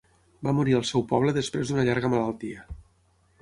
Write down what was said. Va morir al seu poble després d'una llarga malaltia.